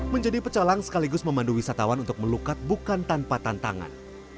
menjadi pecalang sekaligus memandu wisatawan untuk melukat bukan tanpa tantangan